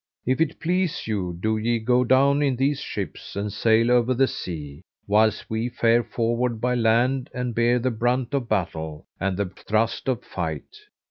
If it please you, do ye go down in these ships and sail over the sea, whilst we fare forward by land and bear the brunt of battle and the thrust of fight."